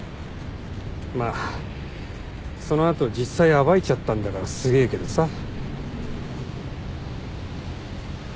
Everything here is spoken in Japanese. まっその後実際暴いちゃったんだからすげえけどさ。